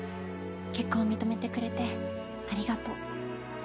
結婚を認めてくれてありがとう。